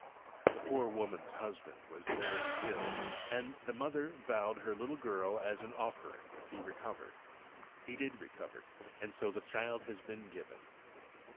"The poor woman's husband was very ill, and the mother vowed her little girl as an offering if he recovered. He did recover, and so the child has been given."